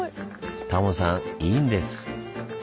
タモさんいいんです。